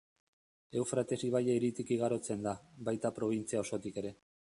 Eufrates ibaia hiritik igarotzen da, baita probintzia osotik ere.